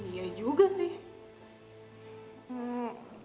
iya juga sih